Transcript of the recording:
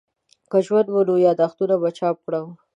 که ژوند وو نو یادښتونه به چاپ کړم.